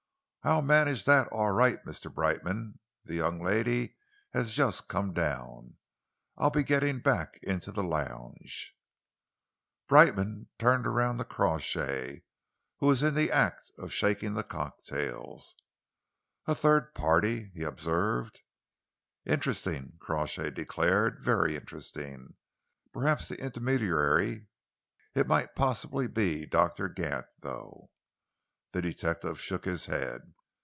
"I'll manage that all right, Mr. Brightman. The young lady has just come down. I'll be getting back into the lounge." Brightman turned around to Crawshay, who was in the act of shaking the cocktails. "A third party," he observed. "Interesting," Crawshay declared, "very interesting! Perhaps the intermediary. It might possibly be Doctor Gant, though." The detective shook his head.